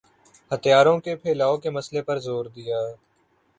ہتھیاروں کے پھیلاؤ کے مسئلے پر زور دیا